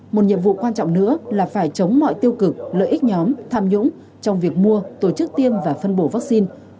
một nhiệm vụ quan trọng nữa là phải chống mọi tiêu cực lợi ích nhóm tham nhũng trong việc mua tổ chức tiêm và phân bổ vaccine